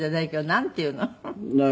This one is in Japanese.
なんていうの？